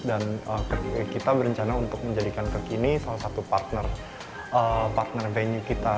dan kita berencana untuk menjadikan kekini salah satu partner venue kita